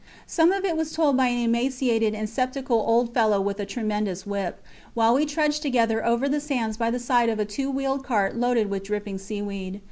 Some of it was told by an emaciated and sceptical old fellow with a tremendous whip, while we trudged together over the sands by the side of a two wheeled cart loaded with dripping seaweed.